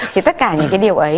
thì tất cả những cái điều ấy